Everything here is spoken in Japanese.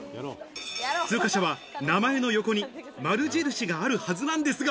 通過者は名前の横に丸印があるはずなんですが。